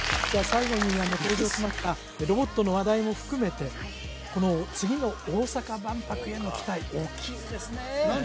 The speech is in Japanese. じゃあ最後に登場しましたロボットの話題も含めてこの次の大阪万博への期待大きいですね